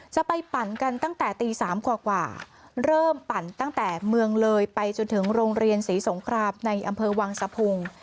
ไปปั่นกันตั้งแต่ตี๓กว่าเริ่มปั่นตั้งแต่เมืองเลยไปจนถึงโรงเรียนศรีสงครามในอำเภอวังสะพุง